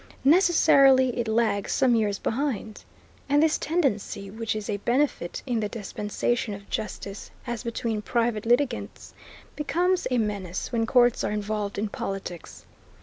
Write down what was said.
Necessarily it lags some years behind. And this tendency, which is a benefit in the dispensation of justice as between private litigants, becomes a menace when courts are involved in politics.